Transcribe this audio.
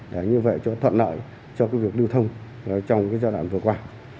để như vậy thuận lợi cho việc lưu thông trong giai đoạn vừa qua